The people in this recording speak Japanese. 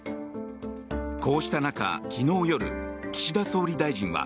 こうした中、昨日夜岸田総理大臣は